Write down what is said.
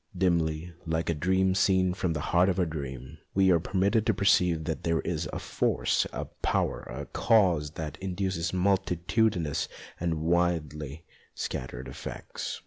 Dimly, like a dream seen from the heart of a dream, we are permitted to perceive that here is a Force, a Power, a Cause that induces multitudinous and widely scattered effects.